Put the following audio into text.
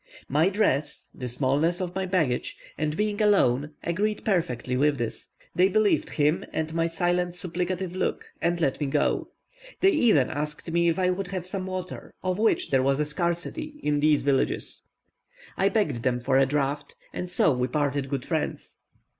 My dress, the smallness of my baggage, and being alone, agreed perfectly with this; they believed him, and my silent supplicative look, and let me go; they even asked me if I would have some water, of which there is a scarcity in these villages. I begged them for a draught, and so we parted good friends.